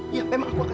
iya memang aku akan